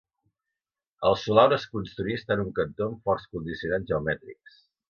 El solar on es construí està en un cantó amb fort condicionants geomètrics.